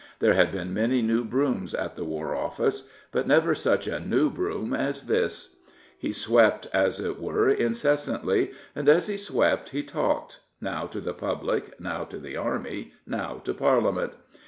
There had been many new brooms at the War K 285 Prophets, Priests, and Kings Ofi&ce; but never such a new broom as this. He swept, as it were, incessantly, and as he swept he talked, now to the public, now to the Army, now to Parliament.